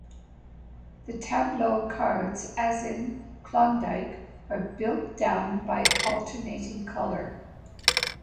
The tableau cards, as in Klondike, are built down by alternating color.